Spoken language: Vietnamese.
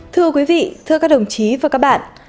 thưa quý vị thưa các đồng chí và các bạn